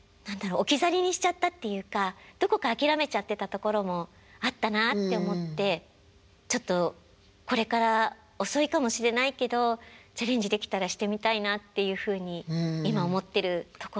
置き去りにしちゃったっていうかどこか諦めちゃってたところもあったなあって思ってちょっとこれから遅いかもしれないけどチャレンジできたらしてみたいなっていうふうに今思ってるところ。